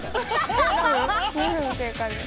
２分経過です。